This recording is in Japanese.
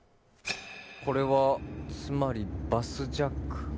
これはつまりバスジャック？